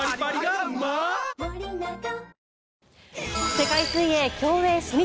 世界水泳競泳初日